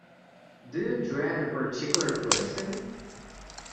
Do you dread a particular person?